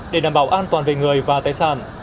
để đảm bảo an toàn về người và tài sản